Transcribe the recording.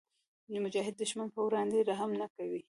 مجاهد د دښمن پر وړاندې رحم نه کوي.